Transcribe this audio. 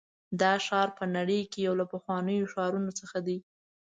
دا ښار په نړۍ کې یو له پخوانیو ښارونو څخه دی.